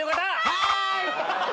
はい！